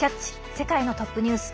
世界のトップニュース」。